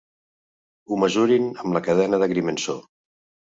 Ho mesurin amb la cadena d'agrimensor.